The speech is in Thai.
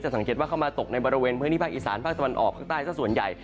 สังเกตว่าเข้ามาตกในบริเวณพื้นที่ภาคอีสานภาคตะวันออกภาคใต้สักส่วนใหญ่